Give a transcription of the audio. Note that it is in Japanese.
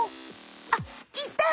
あっいた！